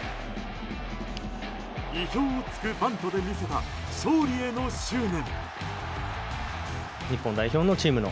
意表を突くバントで見せた勝利への執念。